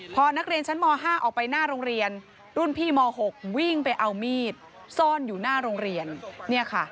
พอนักเรียนชั้นม๕ออกไปหน้าโรงเรียนรุ่นพี่ม๖วิ่งไปเอามีดซ่อนอยู่หน้าโรงเรียนเนี่ยค่ะ